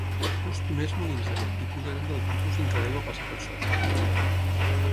Els primers molins d'aquest tipus eren del tipus en què l'aigua passa per sota.